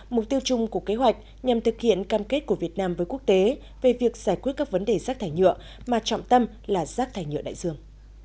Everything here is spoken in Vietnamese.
mục tiêu chung của kế hoạch nhằm thực hiện cam kết của việt nam với quốc tế về việc giải quyết các vấn đề rác thải nhựa mà trọng tâm là rác thải nhựa đại dương